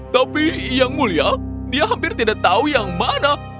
tapi yang mulia dia hampir tidak tahu yang mana